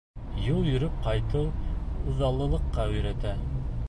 Юл йөрөп ҡайтыу үҙаллылыҡҡа өйрәтте.